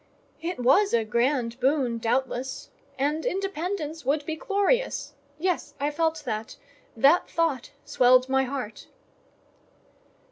It was a grand boon doubtless; and independence would be glorious—yes, I felt that—that thought swelled my heart.